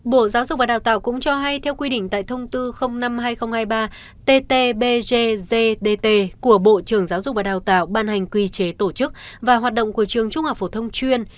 bộ giáo dục và đào tạo cũng cho hay theo quy định tại thông tư năm hai nghìn hai mươi ba tt bggdt của bộ trưởng giáo dục và đào tạo ban hành quy chế tổ chức và hoạt động của trường trung học phổ thông chuyên